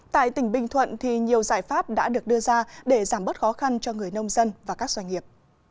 tại tỉnh bình thuận thì nhiều giải pháp đã được đưa ra để giảm bớt khó khăn cho người nông dân và các doanh nghiệp